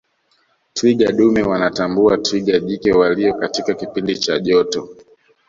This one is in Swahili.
twiga dume wanatambua twiga jike waliyo katika kipindi cha joto